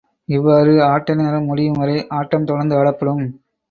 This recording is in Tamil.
இவ்வாறு ஆட்ட நேரம் முடியும் வரை, ஆட்டம் தொடர்ந்து ஆடப்படும்.